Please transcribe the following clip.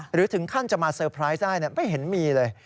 หรือถึงขั้นจะมาเตอร์ไพรส์ได้ไม่เห็นมีเลย